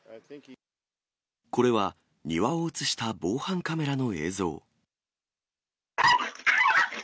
これは庭を写した防犯カメラの映像。